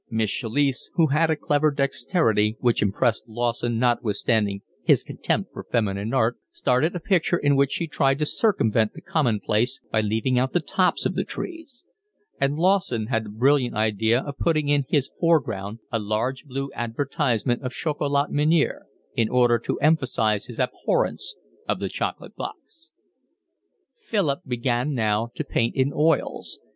Miss Chalice, who had a clever dexterity which impressed Lawson notwithstanding his contempt for feminine art, started a picture in which she tried to circumvent the commonplace by leaving out the tops of the trees; and Lawson had the brilliant idea of putting in his foreground a large blue advertisement of chocolat Menier in order to emphasise his abhorrence of the chocolate box. Philip began now to paint in oils.